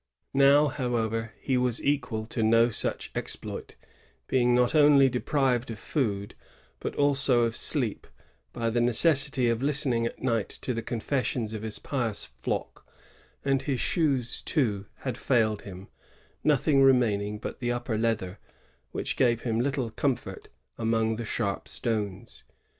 ^ Now, however, he was equal to no such exploit, being not only deprived of food, but also of sleep, by the necessity of listening at night to ' the confessions of his pious flock ; and his shoes, too, had failed him, nothing renu^ning but the upper leather, which gave him little comfort among the sharp stones.